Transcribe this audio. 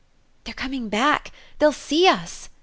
"They're coming back they'll see us!"